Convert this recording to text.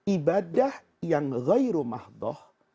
ibadah yang gairu mahdoh